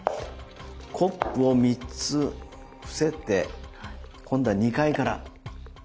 コップを３つ伏せて今度は２階から。